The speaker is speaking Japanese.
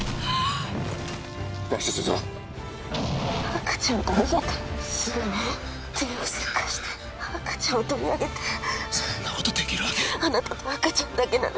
脱出するぞ赤ちゃんと逃げてすぐに帝王切開して赤ちゃんを取り上げてそんなことできるわけあなたと赤ちゃんだけなら